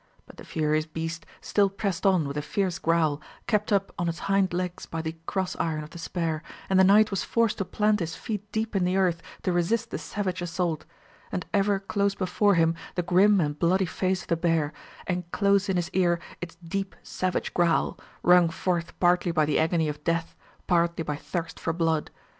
But the furious beast still pressed on with a fierce growl, kept up on its hind legs by the cross iron of the spear, and the knight was forced to plant his feet deep in the earth to resist the savage assault; and ever close before him the grim and bloody face of the bear, and close in his ear its deep savage growl, wrung forth partly by the agony of death, partly by thirst for blood.